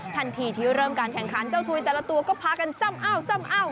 ทันทีที่เริ่มการแข่งขันเจ้าทุยแต่ละตัวก็พากันจ้ำอ้าว